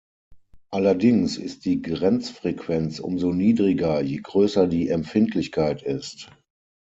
Allerdings ist die Grenzfrequenz umso niedriger, je größer die Empfindlichkeit ist.